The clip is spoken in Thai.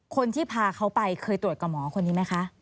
คนที่พาเขาไปเคยตรวจกับหมอคนนี้ไหมคะ